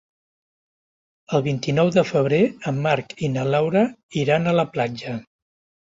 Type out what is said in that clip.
El vint-i-nou de febrer en Marc i na Laura iran a la platja.